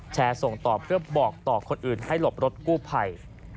แชร์ส่งต่อเพื่อบอกต่อคนอื่นให้หลบรถกู้ภัย